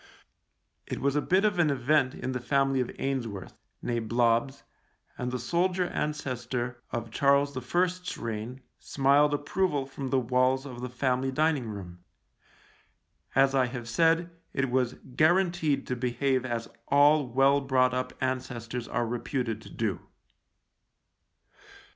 It was a bit of an event in the family of Ainsworth — nee Blobbs — and the soldier ancestor of Charles I.'s reign smiled approval from the walls of the family dining room : as I have said, it was guaranteed to behave as all well brought up ancestors are reputed to do.